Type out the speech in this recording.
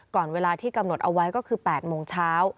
ก่อนเวลาที่กำหนดเอาไว้ก็คือ๘โมงเช้า